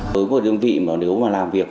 với một đơn vị mà nếu mà làm việc